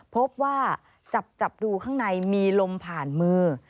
พบว่าจับดูข้างในมีลมผ่านมือ